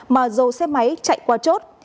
mà dồ xe máy chạy qua chốt